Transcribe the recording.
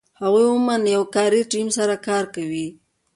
هغوی عمومآ له یو کاري ټیم سره کار کوي.